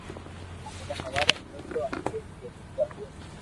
جني ھواري ھوئي تو آگي بي ھوئي جائين